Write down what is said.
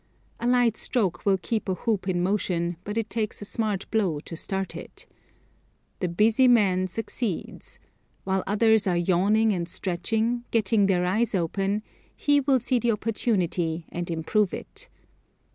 A light stroke will keep a hoop in motion, but it takes a smart blow to start it. The busy man succeeds: While others are yawning and stretching, getting their eyes open, he will see the opportunity and improve it.